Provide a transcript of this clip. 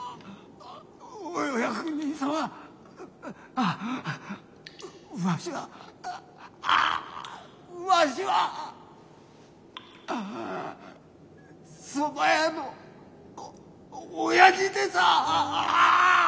お役人様わしはわしはそば屋のおやじでさあああ！